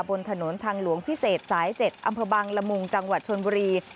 บนถนนทางหลวงพิเศษสาย๗อำเภอบังละมุงจังหวัดชนบุรี